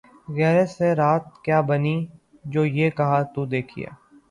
’’ غیر سے رات کیا بنی ‘‘ یہ جو کہا‘ تو دیکھیے